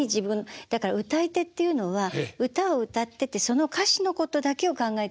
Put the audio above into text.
だから歌い手っていうのは歌を歌っててその歌詞のことだけを考えてんじゃないんですね。